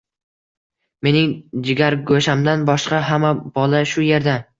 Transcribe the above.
Mening jigargo`shamdan boshqa hamma bola shu erda